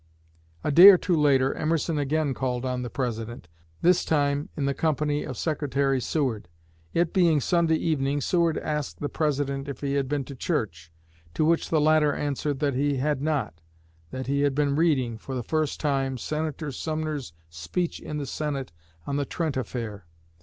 A day or two later Emerson again called on the President, this time in the company of Secretary Seward. It being Sunday evening, Seward asked the President if he had been to church, to which the latter answered that he had not that he had been reading, for the first time, Senator Sumner's speech in the Senate on the Trent affair.